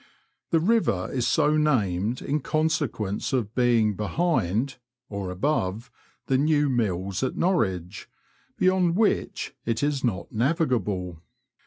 The river is so named in consequence of being behind (or above) the New Mills at Norwich, beyond which it is not navigable.